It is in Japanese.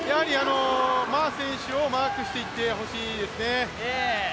馬選手をマークしていってほしいですね。